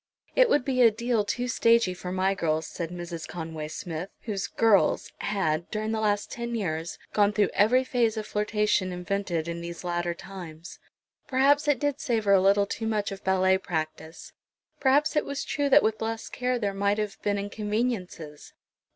"It would be a deal too stagey for my girls," said Mrs. Conway Smith, whose "girls" had, during the last ten years, gone through every phase of flirtation invented in these latter times. Perhaps it did savour a little too much of ballet practise; perhaps it was true that with less care there might have been inconveniences.